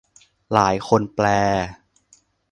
หลายคนแปล